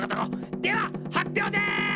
では発表です！